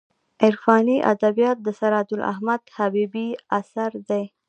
عرفاني ادبیات د سراج احمد حبیبي اثر دی.